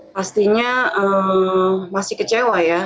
pastinya masih kecewa ya